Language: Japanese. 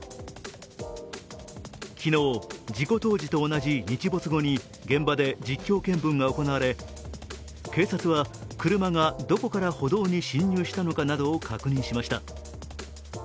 昨日、事故当時と同じ日没後に現場で実況見分が行われ、警察は、車がどこから歩道に進入したのかなどを確認しました。